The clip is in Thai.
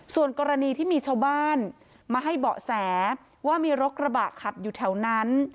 ส่วนกรณีที่มีชาวบ้านมาให้เบาะแสว่ามีรถกระบะขับอยู่แถวนั้น